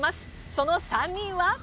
その３人は。